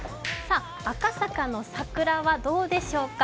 赤坂の桜はどうでしょうか。